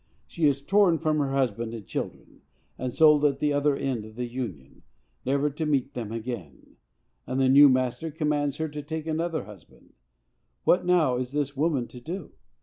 She is torn from her husband and children, and sold at the other end of the Union, never to meet them again, and the new master commands her to take another husband;—what, now, is this woman to do?